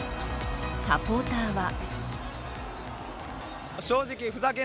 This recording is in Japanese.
サポーターは。